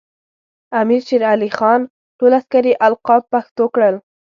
امیر شیر علی خان ټول عسکري القاب پښتو کړل.